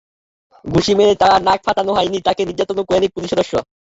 ঘুষি মেরে তাঁর নাক ফাটানো হয়নি, তাঁকে নির্যাতনও করেনি কোনো পুলিশ সদস্য।